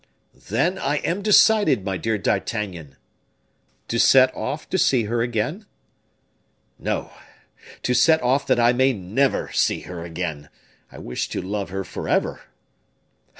"Then I am decided, my dear D'Artagnan." "To set off to see her again?" "No; to set off that I may never see her again. I wish to love her forever."